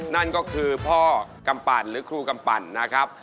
นั่นก็คือพ่อกำปั่นหรือครูกำปั่นนะครับ